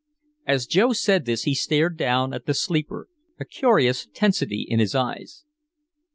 As Joe said this he stared down at the sleeper, a curious tensity in his eyes.